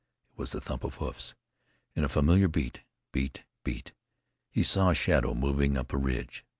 It was the thump of hoofs, in a familiar beat, beat, beat. He saw a shadow moving up a ridge.